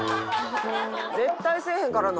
絶対せえへんからな。